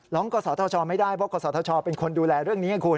ร้องกษทชไม่ได้เพราะกษทชเป็นคนดูแลเรื่องนี้คุณ